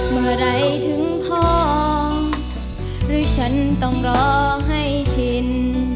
เมื่อไหร่ถึงพ่อหรือฉันต้องรอให้ชิน